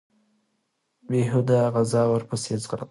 بېهوده په غزاله وو پسې ځغلم